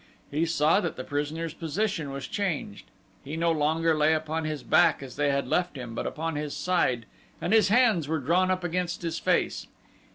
He saw that the prisoner's position was changed he no longer lay upon his back as they had left him, but upon his side and his hands were drawn up against his face.